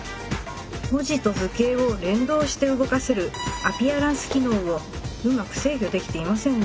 文字と図形を連動して動かせるアピアランス機能をうまく制御できていませんね。